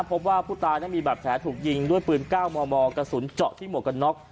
พบว่าผู้ตายนั้นมีบาดแผลถูกยิงด้วยปืน๙มมกระสุนเจาะที่หมวกกันน็อก